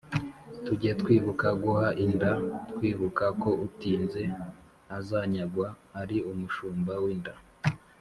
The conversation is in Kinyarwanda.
tuge twibuka guha inda twibuka ko utinze azanyagwa ari umushumba w’inda